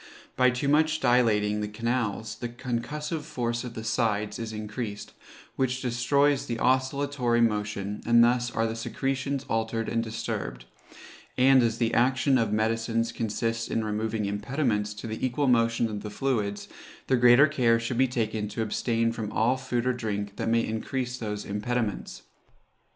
By too much dilating the canals, the concussive force of the sides is increased, which destroys the oscillatory motion, and thus are the secretions altered and disturbed; and as the action of medicines consists in removing impediments to the equal motion of the fluids, the greater care should be taken to abstain from all food or drink that may increase those impediments.